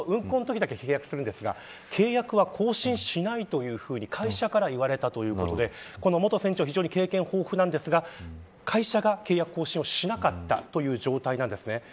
契約は更新しないと会社から言われたということでこの元船長は非常に経験豊富なんですが会社が契約更新をしなかったという状態なんです。